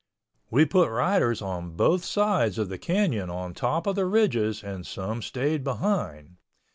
We put riders on both sides of the canyon on top of the ridges and some stayed behind.